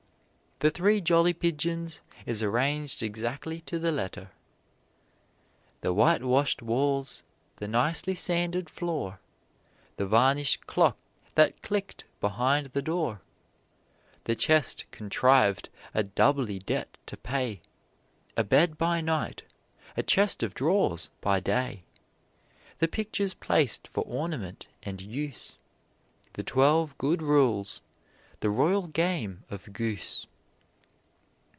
The Three Jolly Pigeons is arranged exactly to the letter: "The whitewashed walls, the nicely sanded floor, The varnished clock that clicked behind the door; The chest contrived a doubly debt to pay, A bed by night, a chest of drawers by day; The pictures placed for ornament and use, The twelve good rules, the royal game of goose."